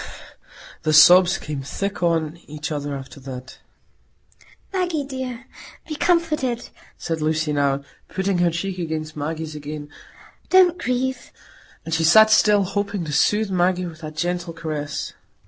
The sobs came thick on each other after that. "Maggie, dear, be comforted," said Lucy now, putting her cheek against Maggie's again. "Don't grieve." And she sat still, hoping to soothe Maggie with that gentle caress.